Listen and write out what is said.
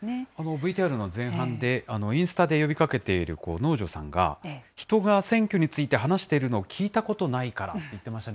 ＶＴＲの前半で、インスタで呼びかけている能條さんが、人が選挙について話しているのを聞いたことないからって言ってましたね。